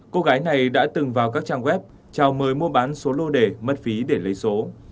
cô gái này đã từng vào các trang web chào mời mua bán số lô đề mất phí để lấy số